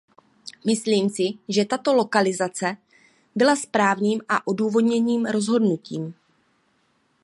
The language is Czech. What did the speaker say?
Myslím si, že tato lokalizace byla správným a odůvodněným rozhodnutím.